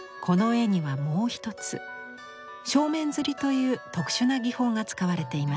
この絵にはもう一つ正面摺という特殊な技法が使われています。